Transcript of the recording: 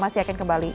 masih akan kembali